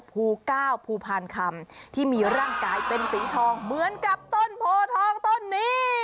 ภูเก้าภูพานคำที่มีร่างกายเป็นสีทองเหมือนกับต้นโพทองต้นนี้